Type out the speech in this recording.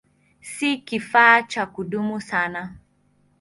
Si kifaa cha kudumu sana.